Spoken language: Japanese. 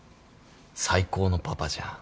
最高のパパじゃん。